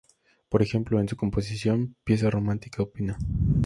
Por ejemplo, en su composición, pieza romántica op.